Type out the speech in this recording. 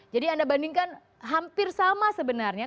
jadi anda bandingkan hampir sama sebenarnya